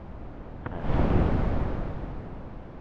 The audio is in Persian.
تسهیم